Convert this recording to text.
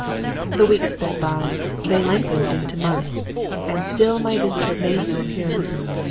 "The weeks sped by. They lengthened into months. And still my visitor made no appearance.